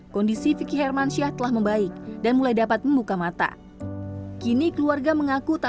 kondisi vicky hermansyah telah membaik dan mulai dapat membuka mata kini keluarga mengaku tak